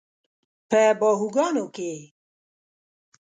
په باهوګانو کې یې